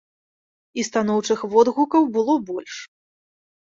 І станоўчых водгукаў было больш.